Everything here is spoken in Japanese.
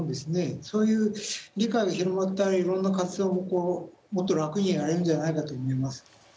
そういう理解が広がったらいろんな活動もこうもっと楽にやれるんじゃないかと思います。